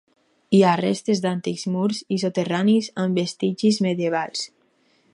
Hi ha restes d'antics murs i soterranis amb vestigis medievals.